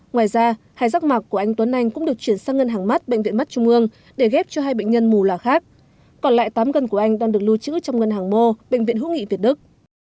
ngoài ra hai giác mạc của anh tuấn anh cũng được chuyển sang ngân hàng mắt bệnh viện mắt trung ương để ghép cho hai bệnh nhân mù là khác còn lại tám gân của anh đang được lưu trữ trong ngân hàng mô bệnh viện hữu nghị việt đức